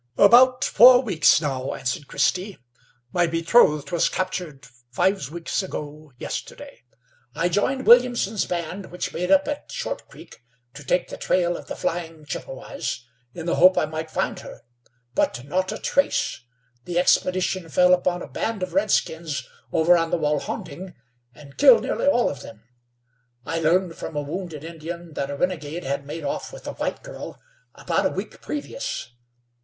"About four weeks now," answered Christy. "My betrothed was captured five weeks ago yesterday. I joined Williamson's band, which made up at Short Creek to take the trail of the flying Chippewas, in the hope I might find her. But not a trace! The expedition fell upon a band of redskins over on the Walhonding, and killed nearly all of them. I learned from a wounded Indian that a renegade had made off with a white girl about a week previous.